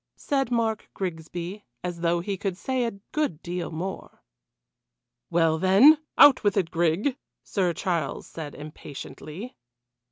said Mark Grigsby, as though he could say a good deal more. "Well, then out with it, Grig," Sir Charles said impatiently.